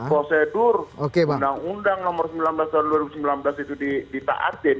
prosedur undang undang nomor sembilan belas tahun dua ribu sembilan belas itu ditaatin